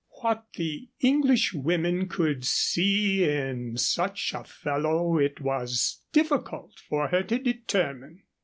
What the Englishwomen could see in such a fellow it was difficult for her to determine.